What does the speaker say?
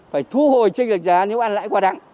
phải thu hồi trinh lực giá nếu ăn lại quá đắng